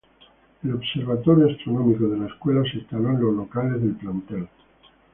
El observatorio astronómico de la escuela se instaló en los locales del plantel.